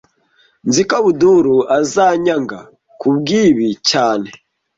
Nzi ko Abdul azanyanga kubwibi cyane